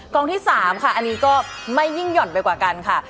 ที่๓ค่ะอันนี้ก็ไม่ยิ่งหย่อนไปกว่ากันค่ะ